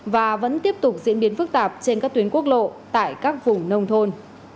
và vẫn tiếp tục diễn biến phức tạp trên các tuyến quốc lộ tại các vùng nông thôn